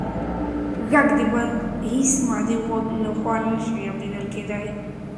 غږ د بل هېڅ مادي غوږ لخوا نه شي اورېدل کېدی.